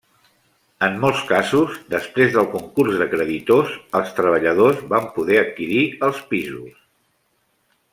En molts casos, després del concurs de creditors, els treballadors van poder adquirir els pisos.